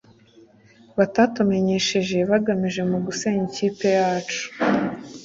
batatumenyesheje bagamije mu gusenya ikipe yacu.